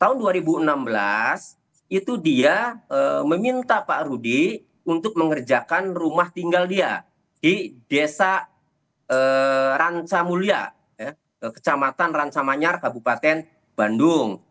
tahun dua ribu enam belas itu dia meminta pak rudy untuk mengerjakan rumah tinggal dia di desa ranca mulia kecamatan ransa manyar kabupaten bandung